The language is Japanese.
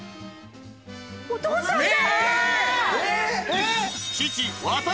お父さんだ‼